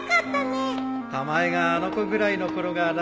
たまえがあの子ぐらいのころが懐かしいなあ